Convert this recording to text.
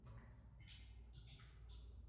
زارني ممرضي فلم يرمني